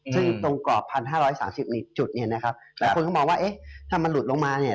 ซึ่งตรงกรอบ๑๕๓๑จุดนะครับแต่คนก็มองว่าถ้ามันหลุดลงมาเนี่ย